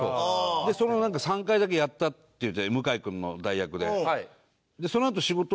でその３回だけやったっていう向井君の代役で。